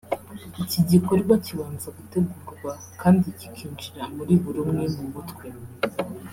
iki gikorwa kibanza gutegurwa kandi kikinjira muri buri umwe mu mutwe